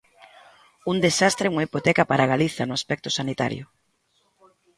Un desastre e unha hipoteca para Galiza no aspecto sanitario.